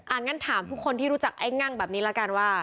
งั้นถามทุกคนที่รู้จักไอ้งั่งแบบนี้ละกันว่า